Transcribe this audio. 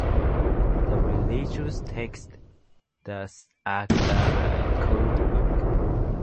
The religious text thus acts as a code book.